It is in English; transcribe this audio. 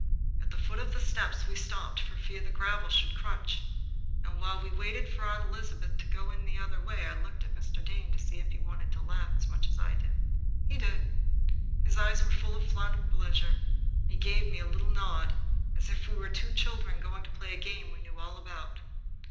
At the foot of the steps we stopped for fear the gravel should crunch, and while we waited for Aunt Elizabeth to go in the other way I looked at Mr. Dane to see if he wanted to laugh as much as I. He did. His eyes were full of fun and pleasure, and he gave me a little nod, as if we were two children going to play a game we knew all about.